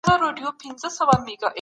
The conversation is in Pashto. د ټولني مشر باید عادل او پوه وي.